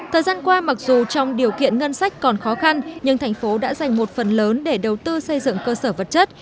thời gian qua mặc dù trong điều kiện ngân sách còn khó khăn nhưng thành phố đã dành một phần lớn để đầu tư xây dựng cơ sở vật chất